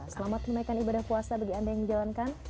selamat menaikkan ibadah puasa bagi anda yang menjalankan